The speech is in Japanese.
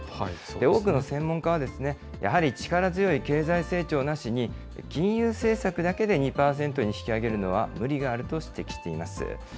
多くの専門家は、やはり力強い経済成長なしに、金融政策だけで２％に引き上げるのは無理があると指摘しています。